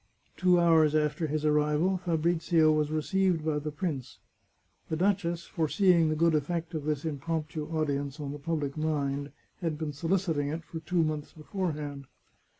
Two hours after his arrival Fabrizio was received by the prince. The duchess, foreseeing the good effect of this impromptu audience on the public mind, had been soliciting it for two months beforehand.